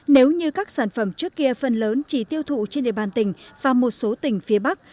nếu như các sản phẩm trước kia phần lớn chỉ tiêu thụ trên địa bàn tỉnh và một số tỉnh phía bắc